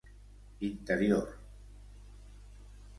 Interior: